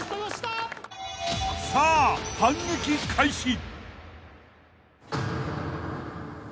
［さあ反撃開始］